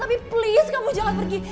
tapi please kamu jalan pergi